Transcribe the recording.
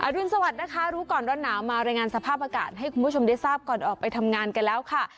รุนสวัสดิ์นะคะรู้ก่อนร้อนหนาวมารายงานสภาพอากาศให้คุณผู้ชมได้ทราบก่อนออกไปทำงานกันแล้วค่ะ